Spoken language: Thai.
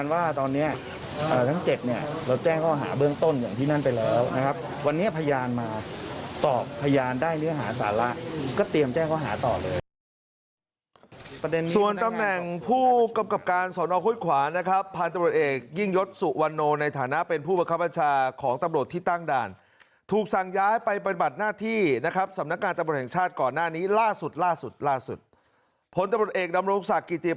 วันนี้พยานมาสอบพยานได้เนื้อหาสาระก็เตรียมแจ้งเขาหาต่อเลย